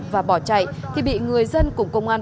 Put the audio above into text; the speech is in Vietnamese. và bỏ chạy thì bị người dân cùng công an